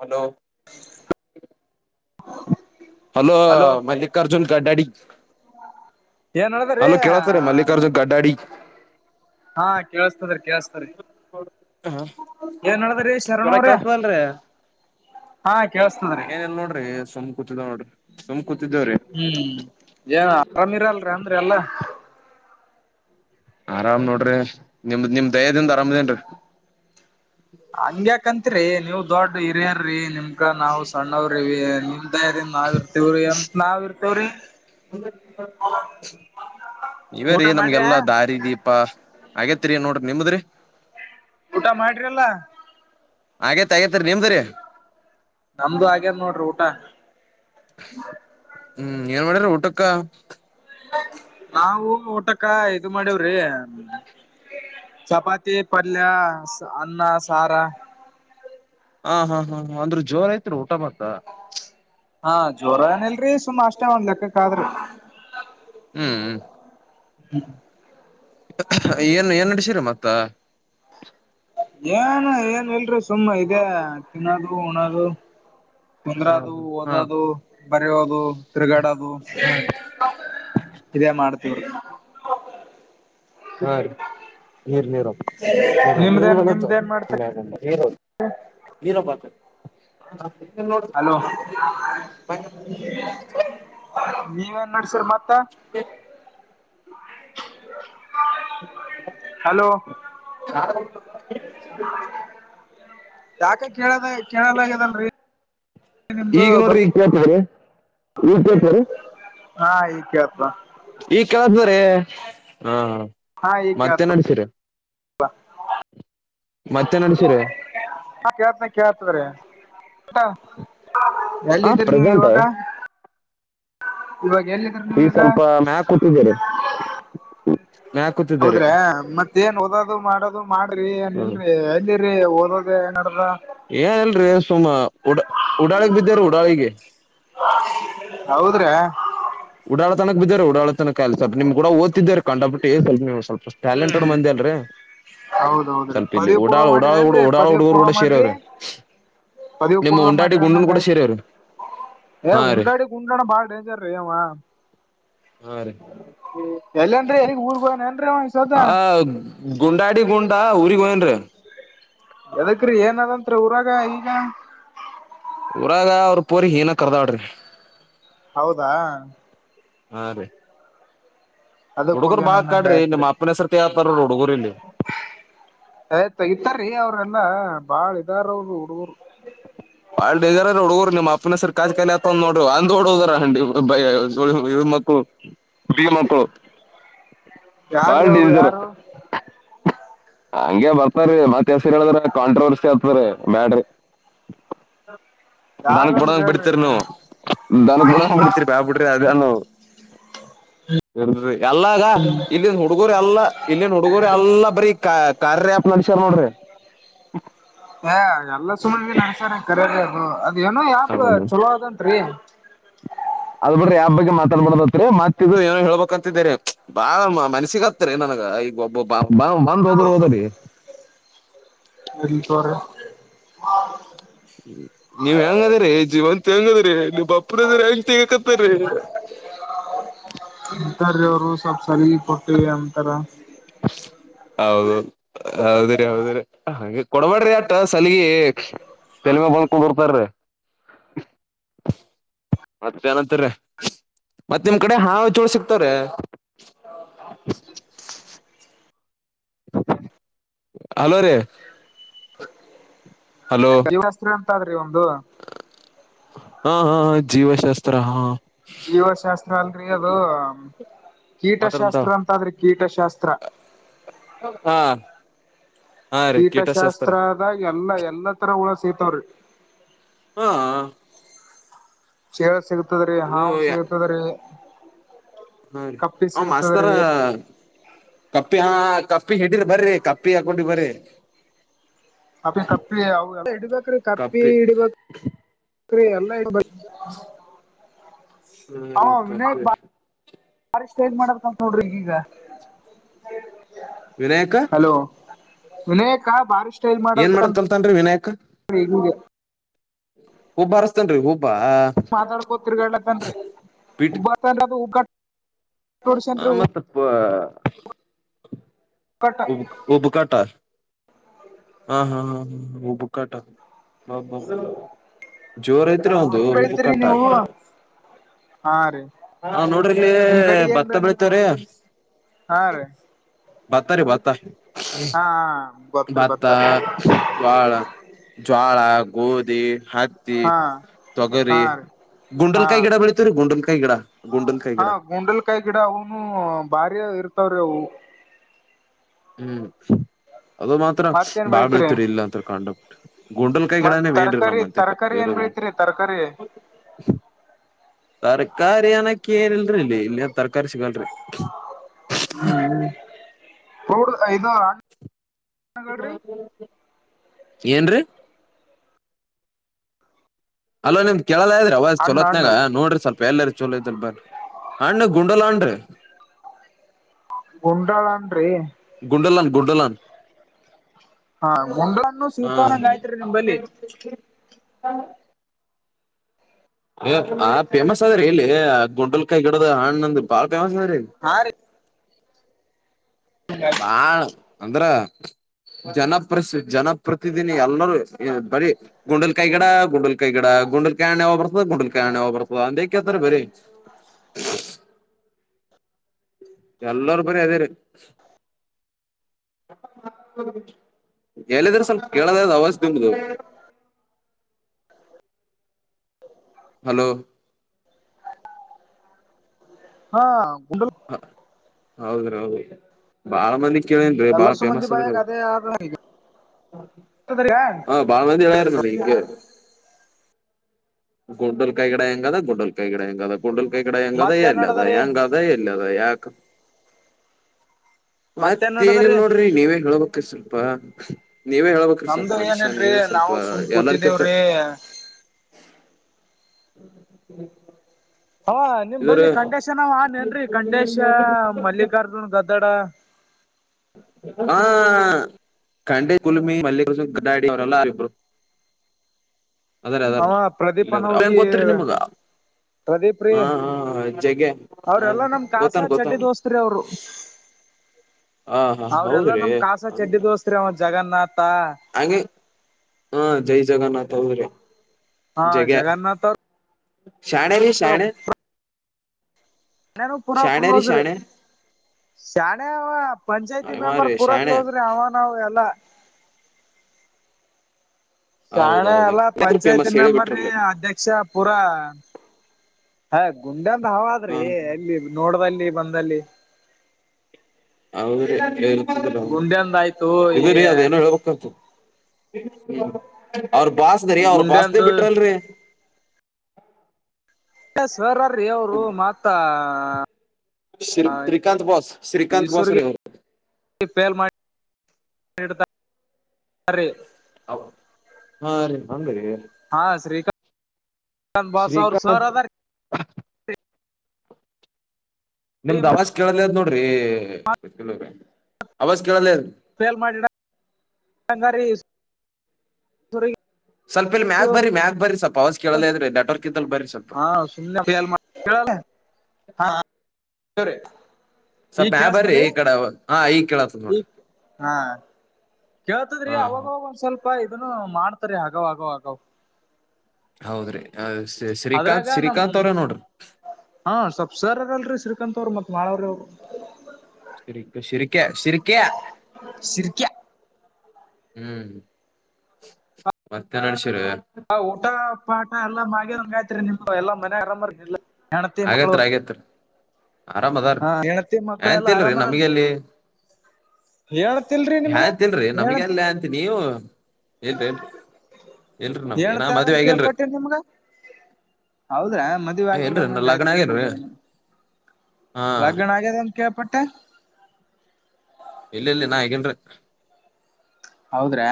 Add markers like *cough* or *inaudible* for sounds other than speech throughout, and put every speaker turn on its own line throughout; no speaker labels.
Hello
*inaudible*
hello Mallikarjun ಕ daddy
ಏನ್ ನಡದದ್ರಿ
ಅಲೋ ಕೇಳತಾರೆ ಮಲ್ಲಿಕಾರ್ಜುನ್ ಕಡ್ಡಾಡಿ
ಹಾ ಕೇಳಸ್ತದರಿ ಕೇಳಸ್ತರಿ ಏನದ ರೀ ಶರಣೋರ
ಏನಲ್ಲ ನೋಡ್ರಿ ಸುಮ್ ಕೂತಿದ್ದ ನೋಡ್ರಿ ಸಮ್
ಹ್ಮ್ ಏನ್ ಆರಾಮಿರಲ್ರಿ ಅಂದ್ರಿ ಎಲ್ಲಾ
ಆರಾಮ್ ನೋಡ್ರಿ ನಿಮ್ದ್ ನಿಮ್ ದಯದಿಂದ ಅರಾಮದೇನ್ರಿ
ಹಂಗ್ಯಾಕತ್ರಿ ನೀವ್ ದೊಡ್ ಹರಿ್ಯರಿ ನಿಮಕ ನಾವ್ ಸಣ್ಣವ್ರಿ ಅ ನಾವ್ ಇರ್ತೀವ್ರಿ ಎಂತ ನಾವ ಇರ್ತವ್ರಿ
ನೀವೇ ರೀ ನಮ್ಗೆಲ್ಲಾ ದಾರಿ ದೀಪ ಹಾಗಗೇತಿರಿ ನೋಡ್ರಿ ನಿಮದ್ರಿ
ಊಟ ಮಾಡ್ರಲ್ಲ
ಹಾಗೇತ್ ಆಗೇತ್ತರಿ ನಿಮ್ದರಿ
ನಮ್ದು ಹಾಗ್ಯದ ನೋಡ್ರಿ ಊಟ
ಹ್ಮ್ ಏನ್ ಮಾಡಿರ ಊಟಕ್ಕ
ನಾವವು ಊಟಕ್ಕ ಇದು ಮಾಡವ್ರಿ ಚಪಾತಿ ಪಲ್ಲ ಅನ್ನ ಸಾರಾ
ಹಾ ಹಾ ಹಾ ಅಂದ್ರರು ಜೋರ ಐತ್ ಊಟ ಮಾಡತ
ಹಾ ಜೋರ ಏನಿಲ್ರರಿ ಸುಮ ಅಷ್ಟೇ ಒಂದ್ ಲೆಕ್ಕಕ್ಕ ಆದ್ರಿ
ಹ್ಮ್ ಹ್ಮ್
ಹ್ಮ್
ಏನ್ ಎನ್ನಡಸೀರ ಮತ್ತ
ಏನ್ ಏನ್ ಇಲ್ರಿ ಸುಮ್ಮ ಇದೇ ತಿನ್ನೋದು ಹಣದು ತೊಂದ್ರ
ಹಾ
ಅದು
ಹಾ
ಓದದು ಬರಿೋದು ಚ ತಿರುಗಡದು
ಹಾ
ಇದೇ ಮಾಡ್ತೀವ್ರಿ
ಆ ನೀರ್ ನೀರ ನೀ ನೀ
ನಿಮ್ದೇನ್
ಬ
ನಿಮ್ದೇನ್
ನೀ
ಮಾಡ್ತೀರಿ
ನೀರ ಹ
ಹಲೋ ನೀವೇನ್ ನಡ್ಸರಿ ಮತ್ತ ತ್ತ
ಹ
ಯಾಕ ಕೇಳದ ಕೇಳಲಗದಲ್ರಿ
ಈಗ ನೋಡ್ರಿ ಈಗ ಪೇಪರ್ ಈಗ ಪೇಪರ್
ಹಾ ಈಗ್ ಕೇಳ್ತದ
ಕೇಳತದ್ರಿ ಹಾ ಹ
ಹಾ ಈಗ
ಮತ್ತೆ
ಕೇಳ್ತ
ನಡ್ಸೀರ ನಡ್ಸಿರಿ
ಹಾ ಕಳ್ತನೆ ಕಳ್ತಾರೆ ಊ
ಹಾ
ಎಲ್ಲಿದ್ದೀರಿ ನೀವು
ಪ್ರೆಸೆಂಟ್
ಇವಾಗ ಇವಾಗ ಎಲ್ಲಿದರ
ಈಗ
ನೀವೀಗ
ಸ್ವಲ್ಪ ಮ್ಯಾಕ್ ಕೂತಿದ್ದೀರಿ ಮ್ಯಾಕ್ ಕೂತಿದ್ದೀರಿ
ಹೌದ್ರೆ ಮತ್ತೇಏನ್ ಓದೋದು ಮಾಡದು ಮಾಡ್ರಿ ಏನ್
ಹ್ಮ್
ಇಲ್ರರಿ ಎಲ್ಲಿರರಿ ಓದೋದ ಏನ
ಏನ್ಲ್ರಿ ಸುಮ್ಮ ಉಡ ಉಡಾಳಗ್ ಬಿದ್ರೀ ಉಡಾಳಿಗೆ
ಹೌದ್ರಾ
ಉಡಾತನ ಬಿದ್ದಾರೆಾರೆ ಉಡಾಳನಕ್ಕೆಲ್ ಸ್ವಪ ನಿಮ ಕೂ ಓದತಿದಿದ್ದಾರೆ ಕಂಡ್ ಬಿಟ್ಟ ಏ ಸ್ಲ್ ನೀವುವಲ್ಪ ಟ್ಯಾಲೆಂಟೆಡ್ ಮಂದಿ ಅಲ್ರರಿ
ಹೌದೌದ್ರೀ ಪದವಿ ಪೂರ್ವ ಮಾಡ್ರಿರಿ ಏನ್ರೀ
ಓಡಾಳ
ಪದವಿ
ಹುಡುಗರು
ಪೂರ್ವ
ಕೂಡ
ಮಾಡ್ರಿ
ಸೇರವ್ರಿ
ಪದವ
ನಿಮ್ಮ
ಪೂರ್ವ
ಉಂಡಾಟಿ
ಮಾಡ್ರ
ಗುಂಡನ್
ಅಂದಂಗ
ಕೂಡ
ಆಯ್ತು
ಸೇರವ್ರಿ
ಏ
ಹಾ ರೀ
ಉಂಡಾಡಿ ಉಂಡಣ ಬಾಳ ಡೇಂಜರ್ ರ ಮ್ಮ
ಹಾ ರೀ
ಎಲ್ಲೇನ್ರಿ ಎಲ್ಲಿಗ್ ಊರ್ಗ್ ಹೋಗನೇನ್ರಿ ಅವ ಈ ಸದ
ಆ ಗುಂಡಾಡಿ ಗುಂಡ ಊರಿಗ ಹೋಗ್ಯಾನರೀ
ಯದಕ್ರೀ ಏನದಂತ್ತ್ರ ಊರಾಗ ಈಗ
ಊರಾಗ ಅವ್ರ ಪೂರಿ ಹೀನ ಕರ್ದಾಡ್ರಿ
ಹೌದಾ
ಹಾ ರೀ
ಅದಕ್
ಹುಡುಗರು ಬಾ
ಹೋಗ್ಯನಂದಂಗ
ಕಾಡ್ರಿ
ಆಯ್ತ್ರಿ
ನಿಮ್ಮ್ ಅಪ್ಪನಸರ್ತಿ ಯತಾರ ಹುಡುಗುರ್ ಇಲ್ಲಿ
ಆಯ್ತ ಇತಾರೀ ಅವ್ರ ಎಲ್ಲ ಬಾಳ ಇದಾರ ಅವರು ಹುಡುಗರು
ಬಾಳಡೇಜರೋಡುಗೂ ಮಾಪನ ಸರ್ಕಾ ಕಲಯಾ ನೋಡ ದೋಡ ಹೋದರ ಅಂಡಿ ಇಳಮಕ್ಕು ಬಿಮಕ್ಕು
ಯಾರೀ ಅವರು ಯಾರು
ಹಂಗೆ ಬರ್ತಾರೀ ಮತ್ತೆ ಹೆಸರು ಹೇಳಿದ್ರೆ ಕಾಂಟ್ರವರ್ಸಿ ಆಗ್ತರಿ ಬ್ಯಾಡ್ರಿ. ಹಾ ದನ್ನಕ್ಕೂ
ಯಾರಂದ್ರ
ಬಿಡಂಗ್
ಹೇಳ್ರಿ
ಬಿಡ್ತಿರು ನೀವು ದನ್ನ ಬಿಡಂಗ್ ಬಿಡ್ತಿರಿ ಬ್ಯಾಡ್ ಬಿಡ್ರಿ ಅದಾನ್. ಇಲ್ರೀ ಎಲ್ಲಾಗ ಇಲ್ಲಿನ್ ಹುಡುಗುರು ಎಲ್ಲಾ ಇಲ್ಲಿನ ಹುಡುಗರು ಎಲ್ಲಾ ಬರಿ. ಕಾರ್ಯ ಆಪ್ ಮನುಷ್ಯ ನೋಡ್ರಿ.
ಏ ಎಲ್ಲ ಸುಮನೆ ನಡಸಾರ ಕರೆದು ಅದು ಏನೋ ಯಾಪ್ ಚಲೋ ಆದಂತ್ರಿ. *inaudible*
ಅದ್ ಬಿಟ್ರಿ ಯಾರು ಬಗ್ಗೆ ಮಾತಾಡಬೇಡ್ತಂತ್ರಿ ಮತ್ ಇಗ ಏನೋ ಹೇಳ್ಬೇಕಂತಿದ್ರಿ ಬಾಳ ಮನಸಿಗೆ ಹತ್ರಿ. ಅದ ಈಗ ಒಬ್ಬೊಬ ಬಂದ್ ಹೋದ್ರ ಹೋದ್ರರೀ
ಇರ್ಲ್ಲಿತೋರಿ.
ನೀವ್ ಹೆಂಗಿದಿರಿ ಜೀವಂತ ಇದ್ದೀರಿ ಅಲ್ಲಿ ಬೊಬ್ರು ರಾಜೀ ತ್ತೆಗೆಯಾಕತ್ತೀರಿ. *inaudible*
ಇಂತ ದೇವರು ಸ್ವಲ್ಪ ಸರಿ ಪ ಕ್ಲಿಯರ್ ಅಂತರ.
ಹೌದು ಹೌದ್ರೀ ಹೌದ್ರಿ ಹಾಗೆ ಕೊಡಬೇಡ್ರಿ ಅಟ ಸಲಿಯಿ ಕೆಲ್ವೆ ಬಂದ್ ಕುದುರ್ತರೀ. ಮತ್ತೆ ಏನಂತರೆ ಮತ್ತೊಂದು ಕಡೆ ಹಾಳು ಚೋಳು ಸಿಕ್ತಾರೆ. *inaudible* ಹಲೋ ರೀ ಹಲೋ
ದೈವಸ್ತ್ರ ಅಂತಾದ್ರಿ ಒಂದು.
ಹಾ ಹಾ ಹಾ ಜೀವಶಾಸ್ತ್ರ ಹಾ.
ಜೀವಶಾಸ್ತ್ರ ಅಲ್ರರಿ ಅದು.
ಮಾತಾಡಂತ
ಕೀಟಶಾಸ್ತ್ರ ಅಂತಾದ್ರೀ ಕೀಟಶಾಸ್ತ್ರ.
ಹಾ ಹಾ ರೀ ಕೀಟಶಾಸ್ತ್ರ
ಕೀಟಶಾಸ್ತ್ರದಾಗ ಎಲ್ಲಾ ಎಲ್ಲ ತರ ಹುಳ ಸಿಗತವ್ರೀ.
ಹೊ ಹಾ
ಚೇಳು ಸಿಗತವ್ರೀ
ಇದು
ಹಾವು ಸಿಗತದ್ರಿ.
ಹು ರೀ, ಹೊ ಮಾಸ್ತರಾ ಕಪ್ಪಿ ಯಾ ಕಪ್ಪಿ ಹಿಡಿದು ಬರಿ ಕಪ್ಪಿ ಪ್ರಿಯಾ ಗುಂಡುಗ್ಬರಿ.
ಅದೊಂದು ತಪ್ಪಲೆ, ಇಡ ಬೇಕ್ರಿ ಕಪ್ಪಿ ಇಡ್ಬೇಕು. ಎಲ್ಲ ಇರಬೇಕು.
*unintelligible*
ಬಾರಿಷ್ಟ್ ಸೂಜು ಮಾಡಕಂತ್ ನೋಡ್ರಿ ಈಗ.
ವಿನಾಯಕ
ವಿನಾಯಕ ಭಾರಿಷ್ಟ್.
ಏನ್ ಮಾಡುತ್ತಂತ್ರಿ ವಿನಾಯಕು.
ಲಿನು
ಹುಬ್ ಹಾರುಸ್ತೆನ್ರಿ ಹುಬ್ಬು.
ಮಾತಾಡ್ಕೊತ್ರಿ ಹೇಳಪ್ಅಂದ್ರಿ ಹುಬ್ಬ ತಗಂಡಗೂ ಹುಬ್ಬ್ ಗರ್.
ಮತ್ತಪ್ಪ
ಉಗ್ಗಟ್ಟ
ಹುಬ್ಬು ಕಾಟರ್ ಹ ಹಾ ಹ ಹುಬ್ಬ ಕಾಟರ್. ಜೋರು ಐತ್ರೀ ಅದು
ಬೆಳಿತೀರಿ
ಹಿಡುಕ್ಪಯ್.
ನೀವು ಹಾ ರೀ
ಹಾ ನೋಡಿಲ್ಲಿ
ನಿಮ್ ಕಡಿ ಏನ್
ಭತ್ತ
ಬೆ
ಬೆಳಿತರೆ.
ಹಾ ರೀ
ಬತ್ತರಿ ಬತ್ತ.
ಹಾ ಗೊತ್ರಿ
ಭತ್ತಾ,
ಬತ್ತ
ಜ್ವಳ, ಜ್ವಾಳ, ಗೋದಿ. ಹತ್ತಿ
ಹಾ ಹಾ
ತೊಗರಿ.
ರೀ ಹಾ
ಗುಂಡಲ್ ಕಾಯಿ ಗಿಡ ಬೆಳಿತಾರೆ, ಗುಂಡಲ್ ಕಾಯಿ ಗಿಡ, ಗುಂಡಲ್ ಕಾಯಿ
ಹಾ
ಗಿಡ.
ಗುಂಡಲ್ಕಾಯಿ ಗಿಡ ಅವನು ಭಾರಿ ಇರ್ತಾವ್ರಿ ಅವು.
ಹ್ಮ್ ಅದು ಮಾತ್ರ
ಮತ್ತೇನ್
ಬಾಳ್
ಬೆಳತ್ರಿ
ಬೆಳತರಿ ಇಲ್ಲ ಅಂತ ಕಂಡೋಗಕ್ ಬಿ ಗುಂಡಲ್ ಕೈ ಗಿಡನೆ ಮೇನ್ರಿ ನಮ್ಮಂತೆ.
ಕರಿ ತರಕಾರಿ.
ತರ್ಕಾರಿ ಅನಕ್ಕ ಏನಲ್ರಿ ಇಲ್ಲಿ ಇಲ್ಲಿ ತರಕಾರಿ ಸಿಗಲ್ರಿ.
ಹ್ಮ್. *inaudible*
ಏನ್ರಿ. ಅಲೋ ನಿಮ್ದ್ ಕೇಳಲ ಇದ್ರಿ ಅವವ್
ಹಣ್ಣ ಹಣ್ಣ
ಚಲೋತ್ನಾಗ ನೋ್ರಿ ಸ್ವಲ್ಪ ಎಲ್ಲರ್. ಚೊಲೋ ಇದಲ್ ಬನ್ ಹಣ್ಣ ಗುಂಡಲ ಅಂಡ್ರಿ.
ಗುಂಡಾಳನ್ರಿ.
ಗುಂಡಲನ್ ಗುಂಡಲನ್.
ಹಾ ಗುಂಡ್ರನ್ನ
ಹ
ಸೀತವನಂಗಾಯ್ತ್ರಿರಿ ನಿಂಬಲ್ಲಿ.
ಹಾ. ಹ ಆ್ ಫೇಮಸ್ ಅದ್ರೀ ಇಲ್ಲಿ ಗುಂಡಲ್ಕಾಯಿ ಗಿಡದ ಹಣ್ಣಂದು ಬಾಳ ಫೇಮಸ್ ಅದ್ರೀ.
ಹಾ ರೀ
ಬಾಳ್ ಅಂದ್ರ. ಜನಪ್ರ ಜನಪ್ರತಿದಿನಿ ಎಲ್ಲರೂ ಬರೀ ಗುಂಡಲ್ ಕೈ ಗಿಡ ಗುಂಡಲ್ ಕೈ ಗಿಡ. ಕುಂಡಲ್ ಕಾಯಣ್ಣ ಓಬರ್ತದೆ ಕ ಕುಂಡಲ್ ಕಾಯ್ಣ ಓಬರ್ತದ ಅಂದ ಅತ್ರ ಬೇರೆ. ಎಲ್ಲಾರ ಬರಿ ಅದೇ ರಿ. ಎಲ್ಲಿದ್ರೆ ಸ್ವಲ್ಪ ಕೇಳದ ಅ ಅವಾಜ ನಿಮ್ದು. ಹಲೋ
ಹಾ ಗುಂಡ
ಹೌದ್ರಿ ಹೌದ ಬಾಳ ಮಂದಿ ಕೇಳನ ರಿ
ಎಲ್ಲ
ಬಾಳ
ಸುಮಂದಿ
ಫೇಮಸ್
ಬಾಯಾಗ
ಅದ್ರದು.
ಅದೇ ಆದ ಈಗ
ಹ ಬಳ ಮಂದಿ ಹೇಳರಿ ಹಿಂಗೆ. ಗುಡ್ಡಲ್ ಕೈಗಡೆ ಹೆಂಗದ ಗುಡ್ಡಲ್ ಕೈಗಡೆ ಹೆಂಗದ. ಕೂಡಲ್ ಕೈ ಕಡಂಗದ
ಮತ್ತೇನ್
ಅಲ್ಲದಾ
ನಡದರಿ
ಯಂಗದ ಅಲ್ಲದ ಯಾ.
ಮತ್ತೇನ್
ಮತ್ತ ಏನಲ್
ನಡದರಿ
ನೋಡ್ರಿ ನೀವೇ ಹೇಳ್ಬೇಕ ಸ್ವಲ್ಪ. ನೀವೇ ಹೇಳ್ಬೇಕ್ರಿ ಸ್ವಲ್ಪ
ನಮ್ದು
ಮನುಷ್ಯ
ಏನಲ್ರರಿ
ನೀವೇ ಸ್ವಲ್ಪ
ನಾವು ಸುಮ್
ಎಲ್ಲಾರ್ ಕ್ಕಿಂತ.
ಕೂತಿದೇವ್ರಿ
ಹ್ಮ.
ಹಾ ನಿಮ್ ಬರಿ ಖಂಡೇಶ ನಾವ್ ಹೆನ್ರಿ ಖಂಡೇಶ ಮಲ್ಲಿಕಾರ್ಜುನ್ ಗದ್ದ. ದಡ.
ಹಾ. ಕಂಡೆ ಕುಲುಮ ಮಲ್ಲಿಕೃನ್ ಗಡ್ಡಾಡಿ ಅವರೆಲ್ಲರು. ಅದೇ ಅದ
ಅವ ಪ್ರದೀಪ್ ಅನವ್ರಿ
ಅದೇನ್ ಗೊತ್ರೀ ನಿಮ್ ಗ.
ಪ್ರದೀಪ್ ರೀ
ಹಾ ಹಾ ಹ ಜಗ್ಯ ಹ
ಅವ್ರೆಲ್ಲಾ ನಮ್ ಕಾಸ
ಗತಾನ ಗೌತಾನ.
ಚಡ್ಡಿ ದೋಸ್ತ್ರಿ ಅವ್ರು
ಹ. ಹಾ
ಅವ್ರೆಲ್ಲಾ
ಹೌದ್ರಿ
ನಮ್ ಕಾಸ ಚಡ್ಡಿ ದೋಸ್ತ್ ಅವ ಜಗನ್ನಾಥ್.
ಹಾಗೆ ಹಾ ಜೈ ಜಗನ್ನಾಥ್ ಅವೌದ್ರಿ.
ಹಾ ಜಗನ್ನ್ನಥ.
ಶಣೆಯಲ್ಲಿ ಶಣೆ.
ಎಲ್ಲಾರೂ ಪುರಾ ಕ್ಲೋಸ್ರು ರಿ.
ಶಾಣೆ
ಶಾಣೆ ಪಂಚಾಯ್ತಿ
ಅವ
ಮೆಂಬರ್
ರೀ
ಪೂರಾ
ಶಾಣೆ
ಕ್ಲೋಸ್ ರಿ ಅವ ನವು ಎಲ್ಲ. ಶಾಣೆ
ಹೌದೌದು
ಅಲ್ಲಾ
ಎಲ್ಲಾದ್ರೂ
ಪಂಚಾಯತಿ
ಫೇಮಸ್ ಹೇಳಿ
ಮೆಂಬರ್ ನೆ
ಬಿಟ್ರಲ್ಲಿ
ಅಧ್ಯಕ್ಷ ಪೂರಾ. ಹಾ ಗುಂಡೆ ಅಂತ
ಹಾ
ಹವಾದ್ರಿ ಅಲ್ಲಿ ನೋಡ್ದದಲ್ಲಿ ಬಂದಲ್ಲಿ.
ಹೌ
ಗುಂಡ್ಯಂದ ಆಯ್ತು ಈ
ಇ ರೀ ಅದ ಏನೋ ಹೇಳ್ಬೇಕಾಗತದೆ. ಅವ್ರ ಬಾಸ್ದ್ರಿ ಅವ್ರ ಬಾಸ್ದೇ
ಗುಂಡ್ಯಂದು
ಬಿಟ್ರಲ್ರಿ.
ಸರ್ ಆರ್ ಅವರು ಮಾತ್ತ.
ಶ್ರೀಕಾಂತ ಬಸ್ ಶ್ರೀಕಾತ್ ಬಸ್
ಈಶ್ವರ್ಗೆ
ರ.
ಅ *unintelligible*
ಹ ರೀ ಹಂಗ್ರ ರೀ.
ಹಾ ಶ್ರೀಕಂ. ಕನ್ ಬಾಸ ಅವರು ಸರ್
ಶ್ರೀಕಾಂತ್
ಅದ
ನಿಮ್ದ್ ಅವಾಜ್ ಕೇಳಲ್ಲ ಅದ್ ನೋಡ್ರಿ ಅವಾಜ್ ಕೇಳಲ್ಲ.
ಫೇಲ್ ಮಾಡಿಡಂಗರೀ ರ *unintelligible*
ಸ್ವಲ್ ಇ ಮ್ಯಾಗ ಬರಿ ಮ್ಯಾಗ ಬರಿ ಸ್ಲ್ಪ ಪಾವಸ್ ಕೇಳಲ್ಲೇ ಇದ್ರಿ ನೆಟ್ವರ್ಕ್ ಇದ್ದಲ್ಲಿ ಬರರಿ ಸ್ವಲ್ಪ
ಹಾ ಹಾ ಸ *unintelligible*
ಸ್ವಲ್ಪ ಯ ಬರ್ರಿ ಈ ಕಡ ಹಾ ಈ ಕಡತದ ನೋಡ್ರಿ
ಈಗ ಹಾ ಕೇಳ್ತದ್ರಿ
ಹಾ
ಅವಾಗವಾಗ ಒಂದ್ ಸ್ವಲ್ಪ ಅಪ್ಪ ಇದನ್ನು ಮಾಡ್ತಾರೆ ಆಗಾವ್ ಆಗವ್ ಆಗಾವ್
ಹೌದ್ರಿ ಶ್ರೀಕಾಂತ್
ಅದ್ರಾಗ
ಶ್ರೀಕಾಂತ್
ನಮ
ಅವ್ರ ನೋಡ್ರಿ
ಹ ಸೊಪ್ಸರ್ಲ್ರರಿ ಶ್ರೀಕಂತ್ ಅವ್ರ ಮತ್ತ ಮಾಡಳರು
ಶಿರಿ ಶಿರ್ಕ್ಯ ಶಿರ್ಕ್ಯ್
ಸಿರ್ಕ್ಯಾ
ಹ್ಮ್ ಮತ್ತೆನ್ ಅಡಸರ
ಹ ಊಟ ಪಾಠ ಎಲ್ಲ ಮಿಂಗ ಆಯತ್ರಿ ನಿ ಎಲ್ಲಾ ಮನೆ ಆರಾಮರಿ ನಿಲ್ಲ
ಹಾಗಗೇತ್ರ ಆಗೇತ್ರ ಆರಾಮ್ ಅದೀ
ಹಾ ಹೆಂಡತಿ ಮಕ್ಕಳೆಲ್ಲಾ
ಎಂತಲ್ರಿ
ಆರಾಮರಲ್ರಿ
ನಮ್ಗೆಲ್ಲಿ
ಹೇಳ್ತಿಲ್ರಿ ನಿಮ್ಗ
ಯಾಂತಲ್ರಿ
ಹೇಳ
ನಮ್ಗೆಲ್ಲಂತ ನೀವು ಇಲ್ರಿ ಎಲ್ರಿ ಎಲ್ರಿ ನಮ್ ನಾ
ಹೇಳ್ತಾರಂತ
ಮದ್ವೆೆಗಲ್ರಿ
ಕೇಳ್ಪಟ್ಟೇರಿ ನಿಮ್ಗ ಹೌದ್ರಾ ಮದ್ವೇ ಆಗಿಲ್ಲ ಅಂದಂಗಗೆಯತ್
ಲಗ್ನ
ರೀ
ಆಗೇನ್ರೀ
ಹಂಬದ ಏನು
ಹಾ
ಲಗ್ನ ಆಗದನ್ ಕಳ್ಪಟ್ಟೆ
ಇಲ್ಲ ಇಲ್ಲಿ ನಾ ಹೇಗೇನ್ ರೀ
ಹೌದ್ರಾ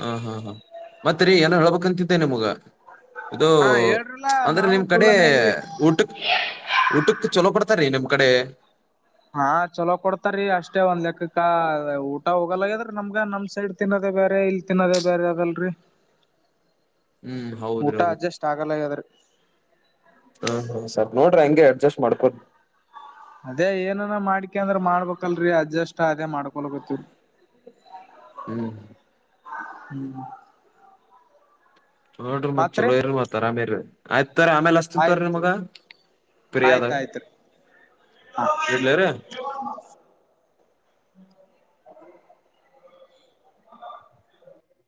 ಹ ಹಾ ಹಾ ಮತ್ತತ್ ರರಿ ಏನೋ ಹೇಳ್ಬೇಕಂತಿದ್ದೇ ನಿಮ್ಗ ಇದು
ಹಾ ಹೇಳ್ರಲ್ಲಾ
ಅಂದ್ರೆ
ನಾವು
ನಿಮ್ ಕಡೆ
ಕುಲ್ಲನೇ ಇದ್ವಿ
ಊಟಕ್ಕೆ ಊಟಕ್ಕೆ ಚೊಲೋ ಬಡ್ತಾರೀ ನಿಮ್ ಕಡೆ
ಹಾ ಚಲೋ ಕೊಡ್ತಾರೀ ಅಷ್ಟೇ ಒಂದ್ ಲೆಕ್ಕಕ್ಕ ಅದ ಊಟ ಹೋಗಲ್ಲಗದ್ರಿ ನಮ್ಗ ನಮ್ ಸೈಡ್ ತಿನ್ನೋದೇ ಬೇರೆ ಇಲ್ ತಿನ್ನೋದೇ ಬೇರೆ ಆಗಲ್ರರಿ
ಹ್ಮ್ ಹೌದ್ರ ಹೌದು
ಅಡ್ಜಸ್ಟ್ ಆಗಲ್ಲಾಗ್ಯದ್ರಿ
ಹಾ ಹಾ ಸರಿ ನೋಡ್ರಿ ಹಂಗೆ ಅಡ್ಜಸ್ಟ್ ಮಾಡ್ಕೋುದು
ಅದೇ ಏನನ ಮಾಡ್ದ್ರ ಕಅಂದ್ರ ಮಾಡ್ಬೇಕಲ್ರರಿ ಅಡ್ಜಸ್ಟ್ ಅದೇ ಮಾಡ್ಕೊಳ್ಬೇಕತ್ತವರಿ
ಹ್ಮ್
ಹ್ಮ್
ನೋಡ್ರಿ ಮತ್ ಚಲೋ ಇರರಿ ಮತ್ತತ್ ಅರಾಮೇರಿ ಆಯ್ತಾರ ಆಮೇಲೆ ಅಸ್ತಿಂತರ ನಿ ಮಮಗ
ಆಯ್ತ ಆಯ್ತು ಹ
ಹ್ಮ